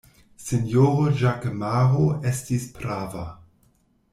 Sinjoro Ĵakemaro estis prava.